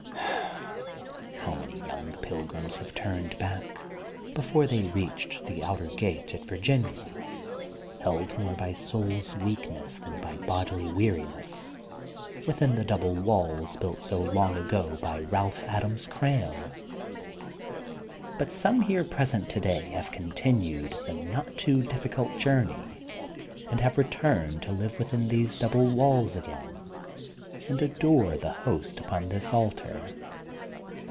How many young pilgrims have turned back before they reached the outer gate at Vir ginia, held more by soul's weakness than by bodily weariness, within the double walls built so long ago by Balph Adams Cram I But some here present today have continued the not too difficult journey and have returned to Uve within these double walls again and adore the Host upon this altar.